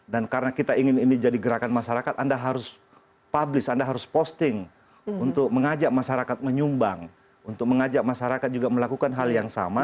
karena kita ingin ini jadi gerakan masyarakat anda harus publish anda harus posting untuk mengajak masyarakat menyumbang untuk mengajak masyarakat juga melakukan hal yang sama